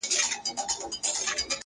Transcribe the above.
انسان لا هم زده کوي,